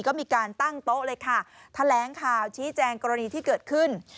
ก็มีการตั้งโต๊ะเลยค่ะแถลงข่าวชี้แจงกรณีที่เกิดขึ้น